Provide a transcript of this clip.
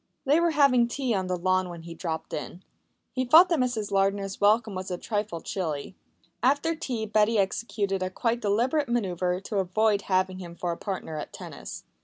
They were having tea on the lawn when he dropped in. He thought that Mrs. Lardner's welcome was a trifle chilly. After tea Betty executed a quite deliberate manœuvre to avoid having him for a partner at tennis.